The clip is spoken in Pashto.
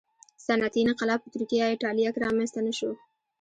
صنعتي انقلاب په ترکیه یا اېټالیا کې رامنځته نه شو